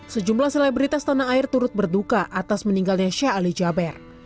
sejumlah selebritas tanah air turut berduka atas meninggalnya syahli jabir